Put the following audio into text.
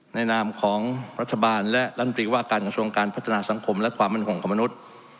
นามของรัฐบาลและรัฐมนตรีว่าการกระทรวงการพัฒนาสังคมและความมั่นคงของมนุษย์